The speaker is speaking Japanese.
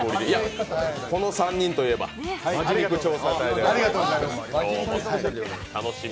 この３人といえば「本気肉調査隊」ですね。